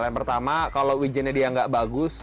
yang pertama kalau wijennya dia nggak bagus